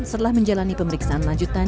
setelah menjalani pemeriksaan lanjutan